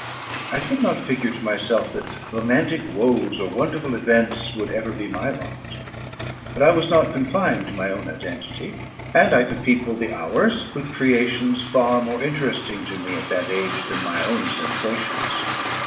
I could not figure to myself that romantic woes or wonderful events would ever be my lot; but I was not confined to my own identity, and I could people the hours with creations far more interesting to me at that age, than my own sensations.